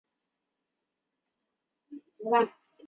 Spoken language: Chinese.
到秦始皇初年成为了秦国最重要的将领之一。